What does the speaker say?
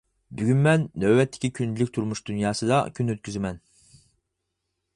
بۈگۈن مەن نۆۋەتتىكى كۈندىلىك تۇرمۇش دۇنياسىدا كۈن ئۆتكۈزىمەن.